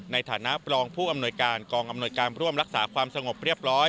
ในฐานะรองผู้อำนวยการกองอำนวยการร่วมรักษาความสงบเรียบร้อย